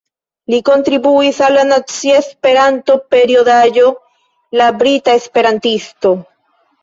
Li kontribuis al la nacia Esperanto-periodaĵo La Brita Esperantisto.